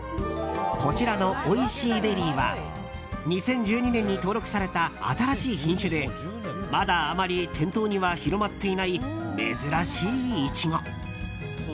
こちらのおいＣベリーは２０１２年に登録された新しい品種でまだ、あまり店頭には広まっていない珍しいイチゴ。